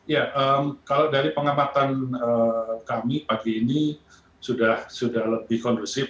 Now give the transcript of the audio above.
ya kalau dari pengamatan kami pagi ini sudah lebih kondusif